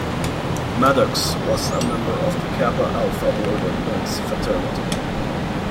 Maddox was a member of the Kappa Alpha Order men's fraternity.